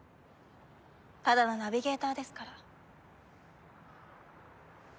ただのナビゲーターですから。